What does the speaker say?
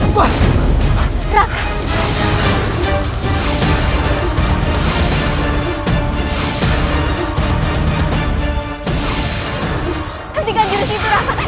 ketika diris itu raka